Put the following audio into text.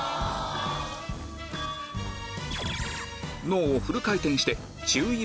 脳をフル回転して注意